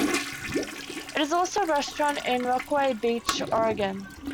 It's also a restaurant in Rockaway Beach, Oregon.